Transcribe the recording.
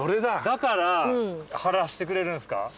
だから晴らしてくれるんすか？